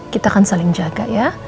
kita akan saling jaga ya